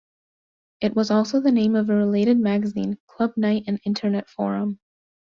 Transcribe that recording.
It was also the name of a related magazine, club night and Internet forum.